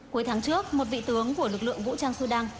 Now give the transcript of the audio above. cuối tháng trước một vị tướng của lực lượng vũ trang sudan